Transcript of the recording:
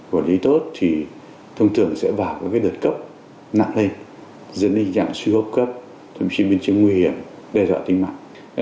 quản lý tốt thì thông thường sẽ vào cái đợt cấp nặng lên dẫn đi dạng suy hốc cấp thậm chí biến chứng nguy hiểm đe dọa tính mạng